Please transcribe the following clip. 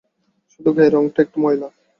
শুধু গায়ের রঙটা একটু ময়লা।